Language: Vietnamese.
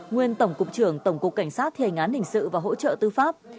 nguyên tổng cục trưởng tổng cục cảnh sát thi hành án hình sự và hỗ trợ tư pháp